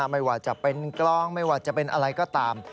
ไม่ว่าจะเป็นกล้องไม่ว่าจะเป็นอะไรก็ตาม